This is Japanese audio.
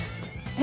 え？